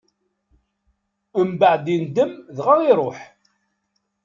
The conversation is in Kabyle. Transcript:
Mbeɛd indem, dɣa iṛuḥ.